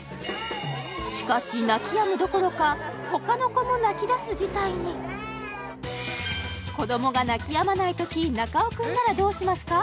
しかし泣きやむどころかほかの子も泣きだす事態に子どもが泣きやまないとき中尾くんならどうしますか？